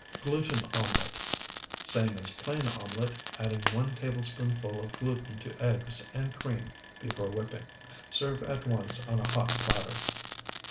GLUTEN OMELET Same as plain omelet, adding one tablespoonful of gluten to eggs and cream before whipping. Serve at once on a hot platter.